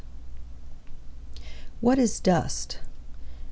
Dust WHAT is dust?